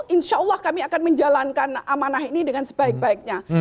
insya allah kami akan menjalankan amanah ini dengan sebaik baiknya